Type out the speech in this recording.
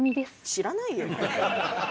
知らないよ。